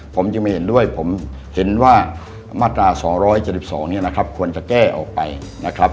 ผมยังไม่เห็นด้วยผมเห็นว่ามาตรา๒๗๒เนี่ยนะครับควรจะแก้ออกไปนะครับ